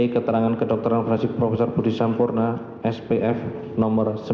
keterangan kedokteran forensik prof budi sampurna spf no sembilan dua puluh dua